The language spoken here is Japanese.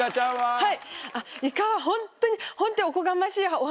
はい。